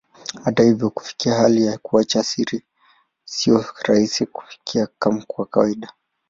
Hata hivyo, kufikia hali ya kuacha sio rahisi kufikia kwa kawaida.